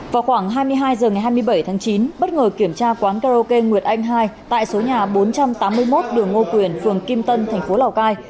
vào khoảng hai mươi hai h ngày hai mươi bảy tháng chín bất ngờ kiểm tra quán karaoke nguyệt anh hai tại số nhà bốn trăm tám mươi một đường ngô quyền phường kim tân thành phố lào cai